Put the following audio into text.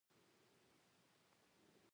زه د الله جل جلاله بنده یم، نه د دنیا بنده.